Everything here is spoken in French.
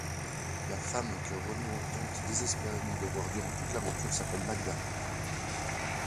La femme que Renaud tente désespérément de voir durant toute l'aventure s'appelle Magda.